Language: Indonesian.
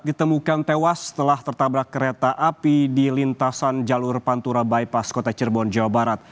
ditemukan tewas setelah tertabrak kereta api di lintasan jalur pantura bypass kota cirebon jawa barat